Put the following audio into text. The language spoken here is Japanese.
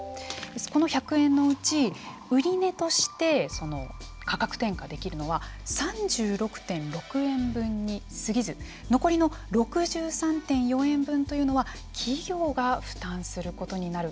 この１００円のうち売値として価格転嫁できるのは３６．６円分にすぎず残りの６３．４円分というのは企業が負担することになる